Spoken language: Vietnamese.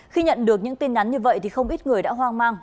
khi nhận được những tin nhắn như vậy thì không ít người đã hoang mang